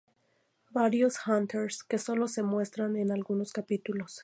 Varios Hunters que solo se muestran en algunos capítulos.